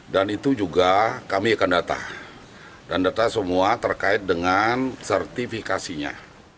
dan itu juga kami akan data dan data semua terkait dengan sertifikasinya